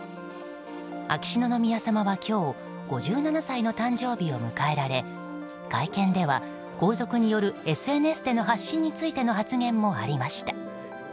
秋篠宮さまは今日５７歳の誕生日を迎えられ会見では、皇族によるＳＮＳでの発信についての発言もありました。